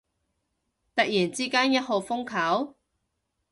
突然之間一號風球？